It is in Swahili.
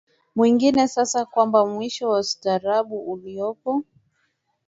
mwingi sasa kwamba mwisho wa ustaarabu uliopo